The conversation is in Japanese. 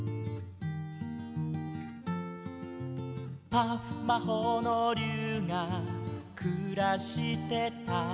「パフ魔法の竜がくらしてた」